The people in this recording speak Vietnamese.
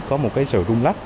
có một sự rung lắc